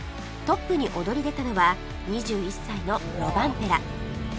トップに躍り出たのは２１歳のロバンペラ